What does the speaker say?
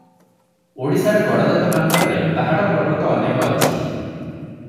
ଓଡ଼ିଶାର ଗଡଜାତମାନଙ୍କରେ ପାହାଡ଼ପର୍ବତ ଅନେକ ଅଛି ।